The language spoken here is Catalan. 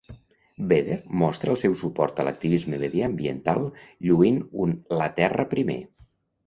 Vedder mostra el seu suport a l'activisme mediambiental lluint un la Terra primer!